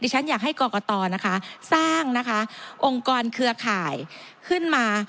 ฉันอยากให้กรกตนะคะสร้างนะคะองค์กรเครือข่ายขึ้นมา